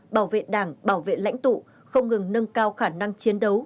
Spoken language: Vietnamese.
bảo vệ đảng bảo vệ lãnh tụ không ngừng nâng cao khả năng chiến đấu